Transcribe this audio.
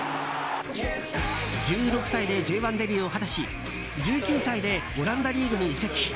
１６歳でＪ１デビューを果たし１９歳でオランダリーグに移籍。